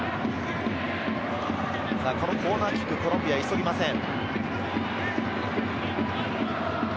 このコーナーキック、コロンビアは急ぎません。